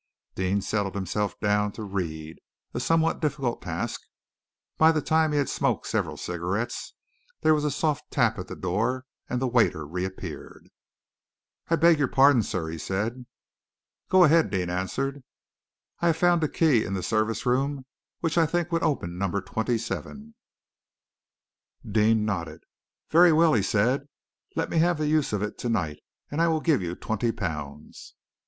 Deane settled himself down to read a somewhat difficult task. By the time he had smoked several cigarettes, there was a soft tap at the door and the waiter reappeared. "I beg your pardon, sir," he said. "Go ahead," Deane answered. "I have found a key in the service room which I think would open Number 27." Deane nodded. "Very well," he said, "let me have the use of it to night, and I will give you twenty pounds."